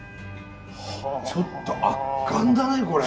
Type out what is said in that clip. ちょっと圧巻だねこれ。